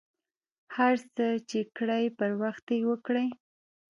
هر څه ،چې کرئ پر وخت یې وکرئ.